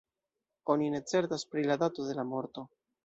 Oni ne certas pri la dato de la morto.